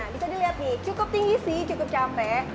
bisa dilihat cukup tinggi cukup campur